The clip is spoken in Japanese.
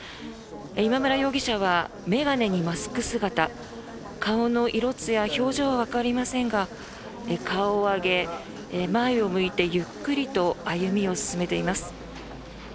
今村容疑者は眼鏡にマスク姿顔の色つや、表情はわかりませんが顔を上げ、前を向いてゆっくりと歩みを進めています。